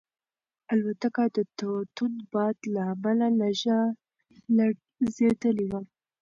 الوتکه د توند باد له امله لږه لړزېدلې وه.